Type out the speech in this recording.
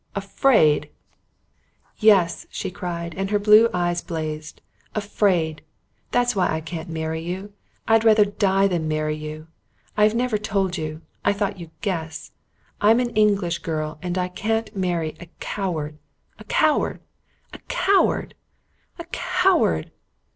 "Afraid!" "Yes," she cried, and her blue eyes blazed. "Afraid. That's why I can't marry you. I'd rather die than marry you. I've never told you. I thought you'd guess. I'm an English girl and I can't marry a coward a coward a coward a coward."